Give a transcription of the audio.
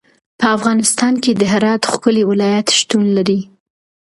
په افغانستان کې د هرات ښکلی ولایت شتون لري.